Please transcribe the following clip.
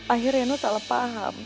akhirnya no salah paham